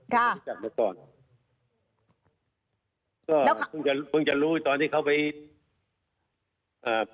ค่ะไม่รู้จักเมื่อก่อนก็เพิ่งจะรู้ตอนที่เขาไปอ่า